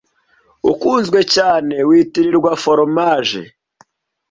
ukunzwe cyane witirirwa fromage